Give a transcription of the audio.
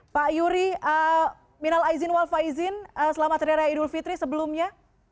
pak yuri minal aizin wal faizin selamat hari raya idul fitri sebelumnya